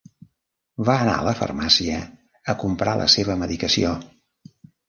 Va anar a la farmàcia a comprar la seva medicació